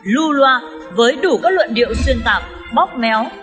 lưu loa với đủ các luận điệu xuyên tạp bóc méo